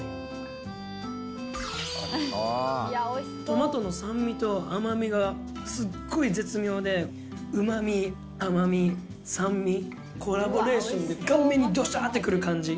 トマトの酸味と甘みがすごい絶妙でうまみ甘み酸味コラボレーションで顔面にドシャッてくる感じ。